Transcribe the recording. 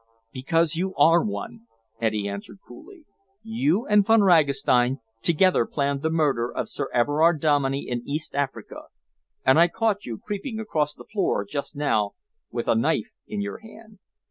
"Because you are one," Eddy answered coolly. "You and Von Ragastein together planned the murder of Sir Everard Dominey in East Africa, and I caught you creeping across the floor just now with a knife in your hand.